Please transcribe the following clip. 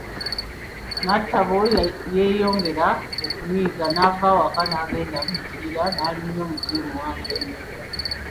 Natabo yeyongera okunyiiga naava awaka n'agenda mu kibiira naalinnya omuti omuwanvu ennyo.